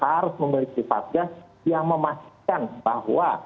harus memiliki satgas yang memastikan bahwa